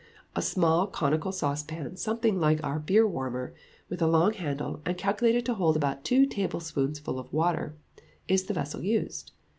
A small conical saucepan something like our beer warmer, with a long handle, and calculated to hold about two tablespoonfuls of water, is the vessel used.